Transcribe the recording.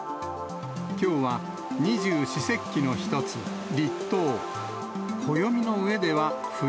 きょうは二十四節気の一つ、立冬。